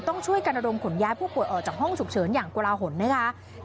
ต้องช่วยกันระดมขนย้ายผู้ป่วยออกจากห้องฉุกเฉินอย่างกลาหลนะคะ